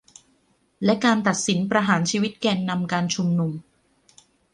และการตัดสินประหารชีวิตแกนนำการชุมนุม